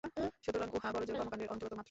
সুতরাং উহা বড়জোর কর্মকাণ্ডের অন্তর্গত মাত্র।